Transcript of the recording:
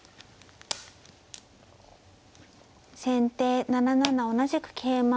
先手７七同じく桂馬。